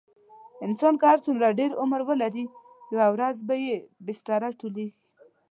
انسان که هر څو ډېر عمر ولري، یوه ورځ به یې بستره ټولېږي.